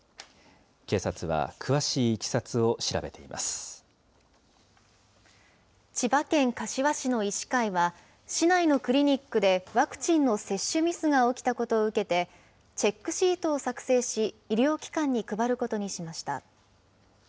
警察は詳しいいきさつを調べてい千葉県柏市の医師会は、市内のクリニックでワクチンの接種ミスが起きたことを受けて、チェックシートを作成し、医療機関に配ることにしました。